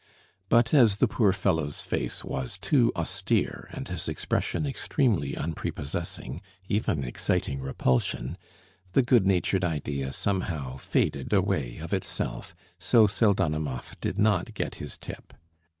But as the poor fellow's face was too austere, and his expression extremely unprepossessing, even exciting repulsion, the good natured idea somehow faded away of itself, so Pseldonimov did not get his tip.